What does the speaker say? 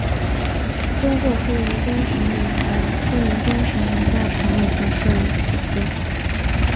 中共黑龙江省委和黑龙江省人大常委会设于此街。